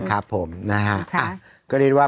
นะครับผมนะฮะ